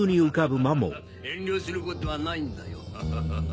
遠慮することはないんだよハハハ。